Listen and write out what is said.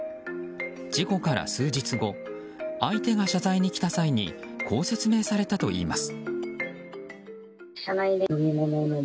事故から数日後相手が謝罪に来た際にこう説明されたといいます。